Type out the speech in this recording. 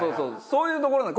そういうところなの。